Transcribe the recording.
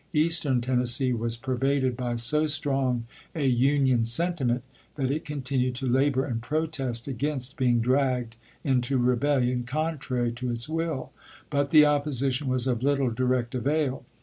Eastern Tennessee was pervaded by so strong a Union sentiment that it continued to labor and protest against being di'agged into rebellion con trary to its will, but the opposition was of little direct avail.